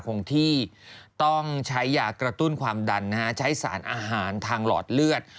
คงที่ต้องใช้ยากระตุ้นความดันใช้สารอาหารทางหลอดเลือด